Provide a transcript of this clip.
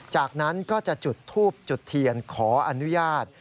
จากนั้นก็จะจุดทูบจุดเทียนขออนุญาต